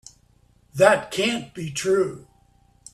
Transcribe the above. That can't be true.